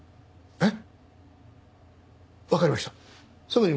えっ？